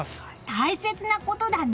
大切なことだね！